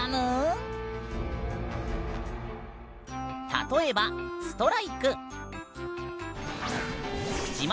例えばストライク。